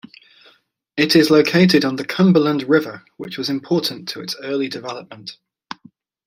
It is located on the Cumberland River, which was important to its early development.